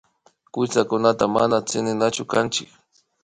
Kuytsakunataka mana tsininachu kanchik